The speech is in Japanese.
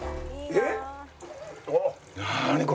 えっ？